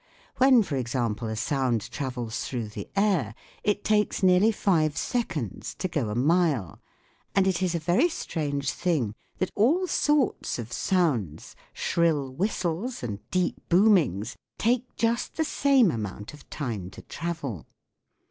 When, for example, a sound travels through the air it takes nearly five seconds to go a mile, and it is a very strange thing that all sorts of sounds, shrill whistles and deep boomings, take just the same amount of time to travel.